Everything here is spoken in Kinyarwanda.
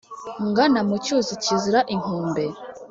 Ngana mu cyuzi kizira inkombe ?